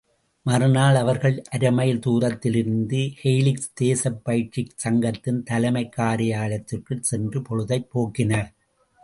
மறுநாள் அவர்கள் அரைமைல் தூரத்திலிருந்த கெயிலிக் தேசப்பயிற்சிக் சங்கத்தின் தலைமைக் காரியாலயத்திற்குச் சென்று பொழுதைப் போக்கினர்.